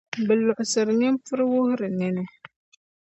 Bɛ luɣisiri nimpuri n-wuhirila nini.